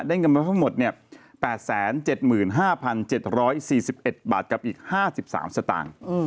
เงินมาทั้งหมด๘๗๕๗๔๑บาทกับอีก๕๓สตางค์